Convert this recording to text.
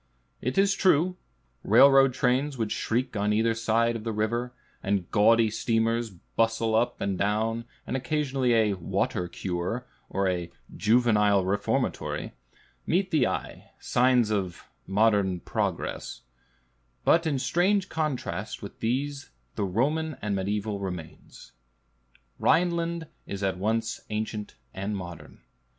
It is true, railroad trains would shriek on either side of the river, and gaudy steamers bustle up and down, and occasionally a "water cure" or a "juvenile reformatory" meet the eye, signs of modern progress; but in strange contrast with these the Roman and mediæval remains. Rhineland is at once ancient and modern.